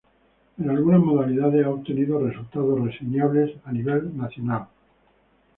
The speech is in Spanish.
En algunas modalidades ha obtenido resultados reseñables a nivel nacional.